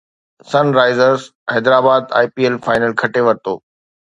سن Risers Hyderabad IPL final کٽي ورتو